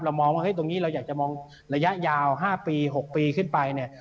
มองว่าตรงนี้เราอยากจะมองระยะยาว๕ปี๖ปีขึ้นไปเนี่ย